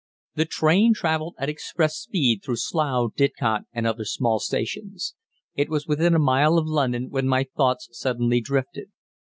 The train travelled at express speed through Slough, Didcot, and other small stations. It was within a mile of London, when my thoughts suddenly drifted.